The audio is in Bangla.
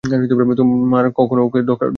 তোমার আমাকে কখনো দরকার ছিল না।